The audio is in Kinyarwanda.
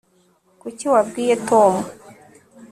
kuki wabwiye tom